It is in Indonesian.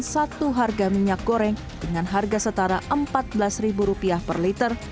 satu harga minyak goreng dengan harga setara rp empat belas per liter